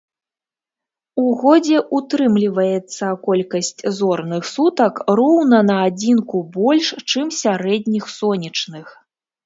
У годзе ўтрымліваецца колькасць зорных сутак роўна на адзінку больш, чым сярэдніх сонечных.